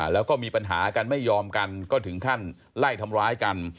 แล้วก็มีปัญหากันไม่ยอมกันก็ถึงขั้นไล่ทำร้ายกัน